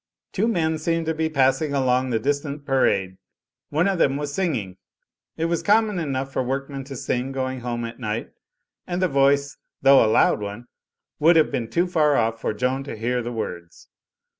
Two men seemed to be passing along the distant pa rade ; one of them was singing. It was common enough for workmen to sing going home at night, and the voice, though a loud one, would have been too far off for Joan to hear the words.